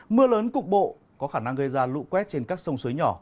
mưa lớn cục bộ có khả năng gây ra lụ quét trên các sông suối nhỏ